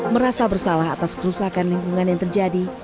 merasa bersalah atas kerusakan lingkungan yang terjadi